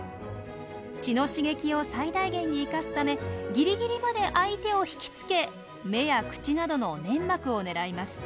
血の刺激を最大限に生かすためギリギリまで相手を引きつけ目や口などの粘膜を狙います。